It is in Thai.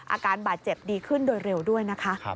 อาการบาดเจ็บดีขึ้นโดยเร็วด้วยนะคะ